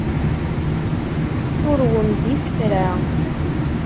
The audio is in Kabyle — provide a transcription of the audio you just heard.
Turwem-d isefra.